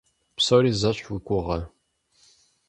Псори зэщхь уи гугъэ?